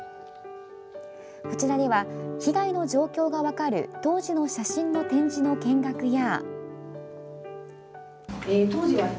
こちらには被害の状況が分かる当時の写真の展示の見学や。